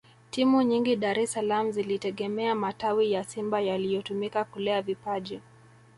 Timu nyingi Dar es salaam zilitegemea matawi ya Simba yaliyotumika kulea vipaji